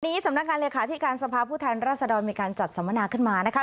นี้สำนักการเลือกค้าที่การสภาพผู้แทนราษฎรมีการจัดสำนาค์ขึ้นมานะคะ